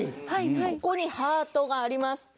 ここにハートがあります。